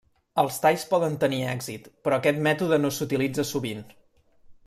Els talls poden tenir èxit, però aquest mètode no s'utilitza sovint.